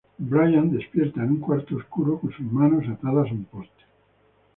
Bryan despierta en un cuarto oscuro con sus manos atadas a un poste.